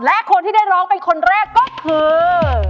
และคนที่ได้ร้องเป็นคนแรกก็คือ